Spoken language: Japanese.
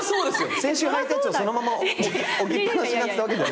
先週はいたやつをそのまま置きっぱなしになってたわけじゃ。